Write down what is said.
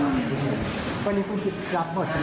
อันนี้โดยก้าวหาเลยค่ะอุ้มของหลวง